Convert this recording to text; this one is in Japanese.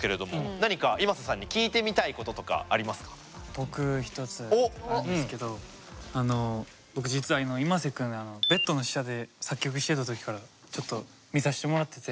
僕１つあるんですけど僕実はｉｍａｓｅ君ベッドの下で作曲してた時からちょっと見さしてもらってて。